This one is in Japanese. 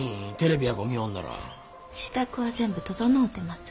支度は全部整うてます。